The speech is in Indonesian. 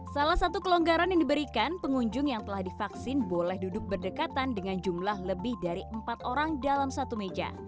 salah satu kelonggaran yang diberikan pengunjung yang telah divaksin boleh duduk berdekatan dengan jumlah lebih dari empat orang dalam satu meja